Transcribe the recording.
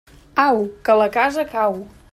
Au, que la casa cau.